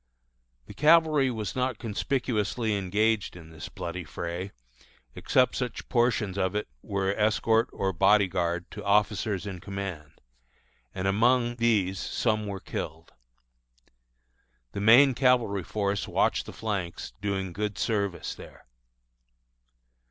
The cavalry was not conspicuously engaged in this bloody fray, except such portions of it as were escort or body guard to officers in command, and among these some were killed. The main cavalry force watched the flanks, doing good service there.